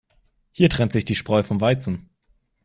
Hier trennt sich die Spreu vom Weizen.